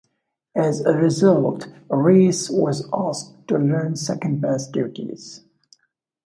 As a result, Reyes was asked to learn second base duties.